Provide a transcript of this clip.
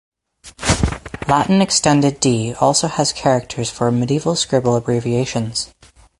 Latin Extended-D also has characters for medieval scribal abbreviations.